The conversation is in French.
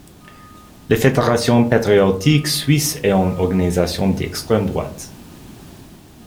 La fédération patriotique suisse est une organisation d’extrême droite.